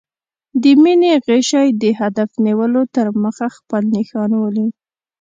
د مینې غشی د هدف نیولو تر مخه خپل نښان ولي.